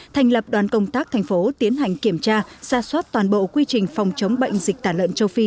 thành lập đoàn công tác thành phố tiến hành kiểm tra ra soát toàn bộ quy trình phòng chống bệnh dịch tả lợn châu phi